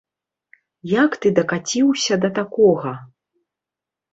Як ты дакаціўся да такога?